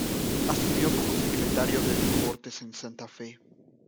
Asumió como secretario de deportes en Santa fe.